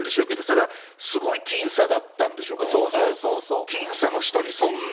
ただ、すごい僅差だったんでしょう。